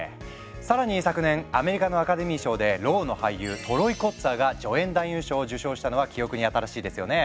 さらに昨年アメリカのアカデミー賞でろうの俳優トロイ・コッツァーが助演男優賞を受賞したのは記憶に新しいですよね。